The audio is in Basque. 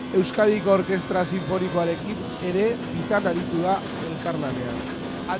Euskadiko Orkestra Sinfonikoarekin ere bitan aritu da elkarlanean.